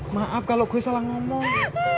maaf kalau gue salah ngomong